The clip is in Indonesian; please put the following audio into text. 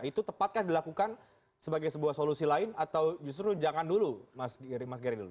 itu tepatkah dilakukan sebagai sebuah solusi lain atau justru jangan dulu mas gery dulu